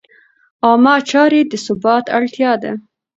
عامه چارې د ثبات اړتیا ده.